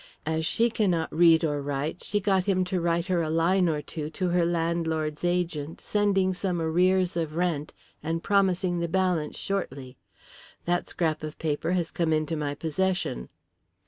As she cannot read or write she got him to write her a line or two to her landlord's agent, sending some arrears of rent and promising the balance shortly. That scrap of paper has come into my possession."